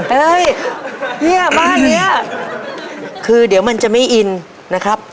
เอ้ยเนี่ยบ้านนี้คือเดี๋ยวมันจะไม่อินนะครับ